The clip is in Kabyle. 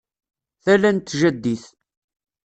Tala n tjaddit